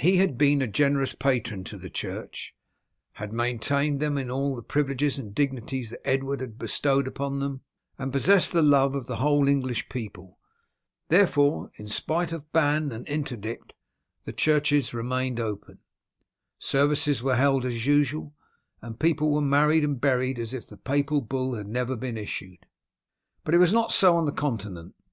He had been a generous patron to the church, had maintained them in all the privileges and dignities that Edward had bestowed upon them, and possessed the love of the whole English people; therefore, in spite of bann and interdict the churches remained open, services were held as usual, and people were married and buried as if the Papal Bull had never been issued. But it was not so on the Continent.